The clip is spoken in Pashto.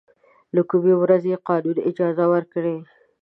له کومې ورځې یې قانوني اجازه ورکړې.